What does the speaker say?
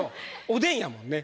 おでんやもんね。